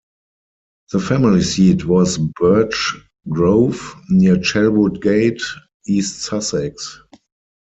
The family seat was Birch Grove, near Chelwood Gate, East Sussex.